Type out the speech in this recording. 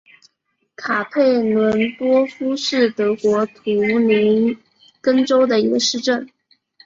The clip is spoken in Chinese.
卡佩伦多夫是德国图林根州的一个市镇。